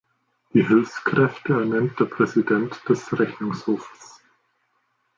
Die Hilfskräfte ernennt der Präsident des Rechnungshofes.